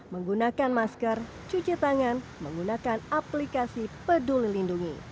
menggunakan masker cuci tangan menggunakan aplikasi peduli lindungi